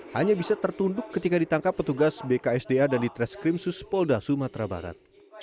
hanya bisa tertunduk ketika ditangkap petugas bksda dan di treskrim suspolda sumatera barat